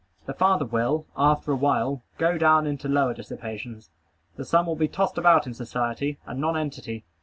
The father will, after a while, go down into lower dissipations. The son will be tossed about in society, a nonentity.